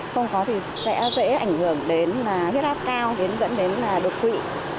không có thì sẽ dễ ảnh hưởng đến hiết áp cao dẫn đến đột quỵ